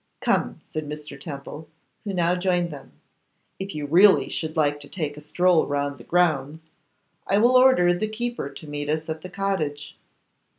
'Come,' said Mr. Temple, who now joined them, 'if you really should like to take a stroll round the grounds, I will order the keeper to meet us at the cottage.